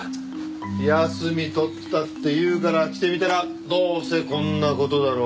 休み取ったっていうから来てみたらどうせこんな事だろうと。